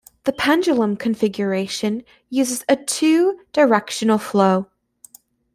The pendulum configuration uses a two-directional flow.